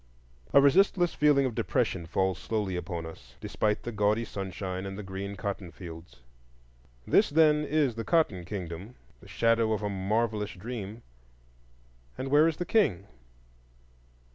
A resistless feeling of depression falls slowly upon us, despite the gaudy sunshine and the green cottonfields. This, then, is the Cotton Kingdom,—the shadow of a marvellous dream. And where is the King?